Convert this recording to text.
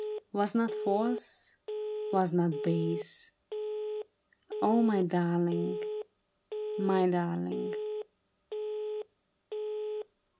Was not false, was not base, O my darling ! my darling